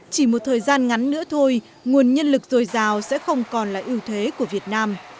chỉ một thời gian ngắn nữa thôi nguồn nhân lực dồi dào sẽ không còn là ưu thế của việt nam